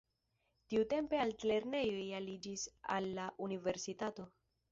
Tiutempe altlernejoj aliĝis al la universitato.